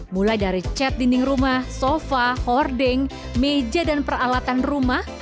mulai dari chat dinding rumah sofa hoarding meja dan peralatan rumah